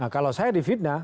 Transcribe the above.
kalau saya di fitnah